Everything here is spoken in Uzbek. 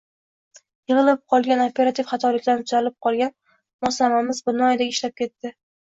Yig‘ilib qolgan operativ xatoliklardan tuzalib olgan moslamamiz binoyidek ishlab ketdi.